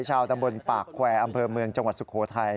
ชาวตำบลปากแควร์อำเภอเมืองจังหวัดสุโขทัย